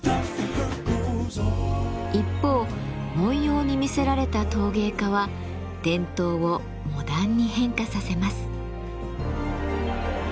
一方文様に魅せられた陶芸家は伝統をモダンに変化させます。